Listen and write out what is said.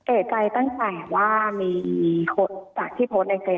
เอกใจตั้งแต่ว่าจากที่โพสต์ในเกรง